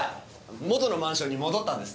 元のマンションに戻ったんですって？